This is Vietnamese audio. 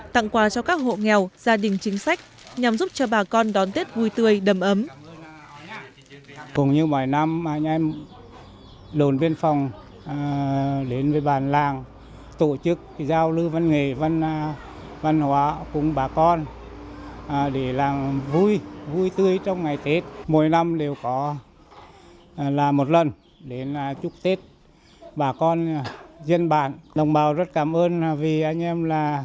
tặng quà cho các hộ nghèo gia đình chính sách nhằm giúp cho bà con đón tết vui tươi đầm ấm